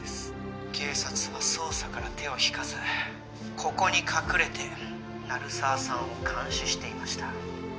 警察は捜査から手を引かずここに隠れて鳴沢さんを監視していました